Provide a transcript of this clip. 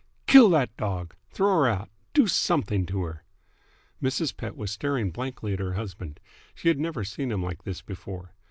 "Kill that dog! Throw her out! Do something to her!" Mrs. Pett was staring blankly at her husband. She had never seen him like this before.